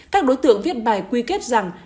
các đối tượng viết bài quy kết rằng